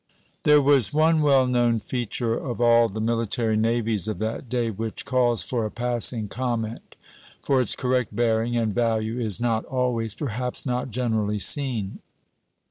There was one well known feature of all the military navies of that day which calls for a passing comment; for its correct bearing and value is not always, perhaps not generally, seen.